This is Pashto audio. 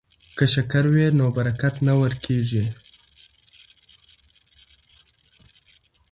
که شکر وي نو برکت نه ورکیږي.